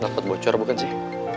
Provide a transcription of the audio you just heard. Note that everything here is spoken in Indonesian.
dapet bocor bukan sih